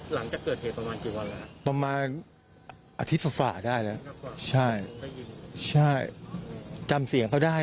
หลังจะเกิดครึ่งอ่าอาทิตย์ฝ่าได้แล้วใช่ใช่จำเสียงก็ได้